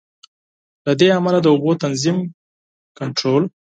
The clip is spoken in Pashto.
له دې امله د اوبو تنظیم، کنټرول.